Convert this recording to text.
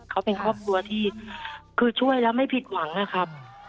เขาเป็นครอบครัวที่คือช่วยแล้วไม่ผิดหวังนะครับ